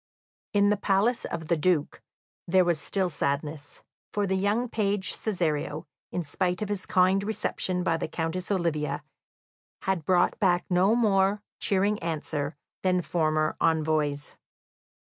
In the palace of the Duke there was still sadness, for the young page Cesario, in spite of his kind reception by the Countess Olivia, had brought back no more cheering answer than former envoys.